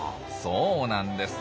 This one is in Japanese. そうなんです。